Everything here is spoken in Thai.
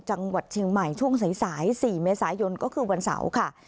จังหวัดเชียงใหม่ช่วงสาย๔เมษายนก็คือวันเสาร์ค่ะ